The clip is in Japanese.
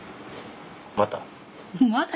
また？